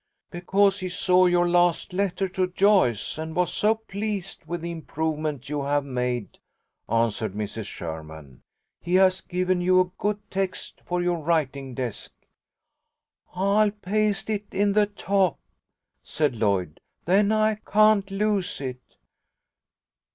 "Because he saw your last letter to Joyce, and was so pleased with the improvement you have made," answered Mrs. Sherman. "He has given you a good text for your writing desk." "I'll paste it in the top," said Lloyd. "Then I can't lose it."